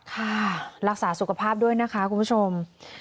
ค่ะรักษาสุขภาพด้วยนะคะคุณผู้ชม